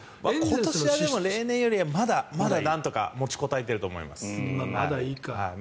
今年は例年よりまだなんとか持ちこたえていると思います。